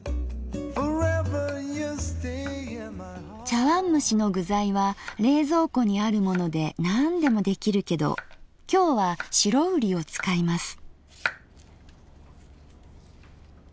茶わんむしの具材は冷蔵庫にあるものでなんでも出来るけど今日は白瓜を使います。